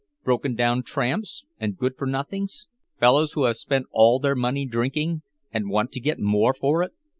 Broken down tramps and good for nothings, fellows who have spent all their money drinking, and want to get more for it.